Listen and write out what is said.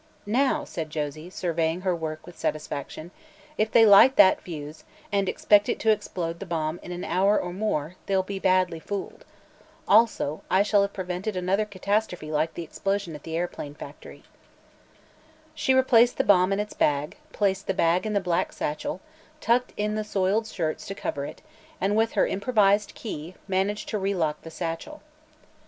"Now," said Josie, surveying her work with satisfaction, "if they light that fuse, and expect it to explode the bomb in an hour or more, they'll be badly fooled. Also, I shall have prevented another catastrophe like the explosion at the airplane factory." She replaced the bomb in its bag, placed the bag in the black satchel, tucked in the soiled shirts to cover it and with her improvised key managed to relock the satchel.